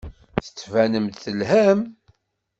Tettbanem-d telham.